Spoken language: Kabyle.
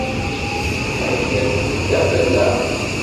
Ma yella akken, d afelleq.